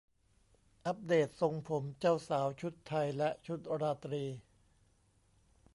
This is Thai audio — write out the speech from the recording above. อัปเดตทรงผมเจ้าสาวชุดไทยและชุดราตรี